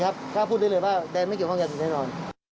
ก็พูดได้เลยว่าแดนไม่เกี่ยวข้องยาเสียดูฟ้์นอน